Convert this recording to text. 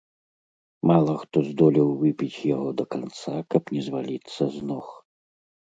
Мала хто здолеў выпіць яго да канца, каб не зваліцца з ног.